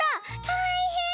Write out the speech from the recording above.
たいへん！